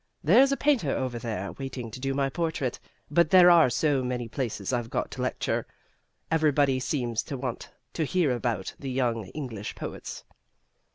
There's a painter over there waiting to do my portrait. But there are so many places I've got to lecture everybody seems to want to hear about the young English poets."